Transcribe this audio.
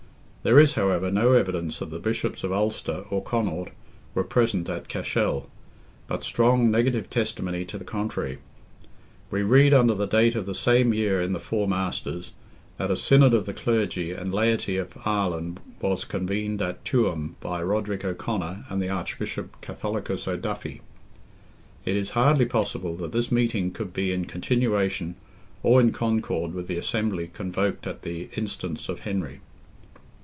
There is, however, no evidence that the Bishops of Ulster or Connaught were present at Cashel, but strong negative testimony to the contrary. We read under the date of the same year in the Four Masters, that a synod of the clergy and laity of Ireland was convened at Tuam by Roderick O'Conor and the Archbishop Catholicus O'Duffy. It is hardly possible that this meeting could be in continuation or in concord with the assembly convoked at the instance of Henry.